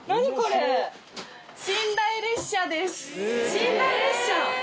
寝台列車。